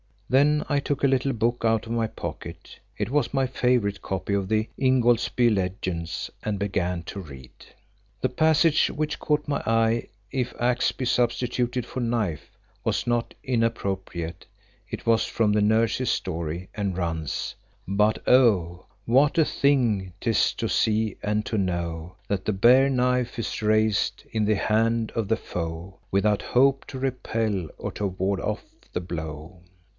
Then I took a little book out of my pocket, it was my favourite copy of the Ingoldsby Legends—and began to read. The passage which caught my eye, if "axe" be substituted for "knife" was not inappropriate. It was from "The Nurse's Story," and runs, "But, oh! what a thing 'tis to see and to know That the bare knife is raised in the hand of the foe, Without hope to repel or to ward off the blow!"